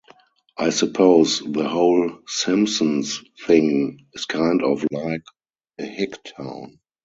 I suppose the whole 'Simpsons' thing is kind of like a hick town.